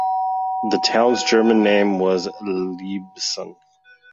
the town’s German name was Liebsen.